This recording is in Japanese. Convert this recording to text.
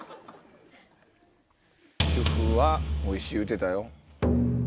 主婦は「おいしい！」言うてたよ。